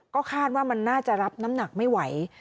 ก็คาดว่ามันน่าจะรับน้ำหนักไม่ไหว